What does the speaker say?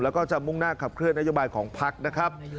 แล้วก็จะมุ่งหน้าขับเคลื่อนนโยบายของพักนะครับ